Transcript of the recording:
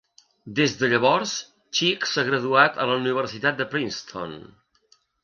Des de llavors, Cheek s'ha graduat a la Universitat de Princeton.